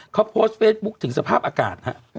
เขาโพสต์เฟซบุ๊คถึงสภาพอากาศฮะ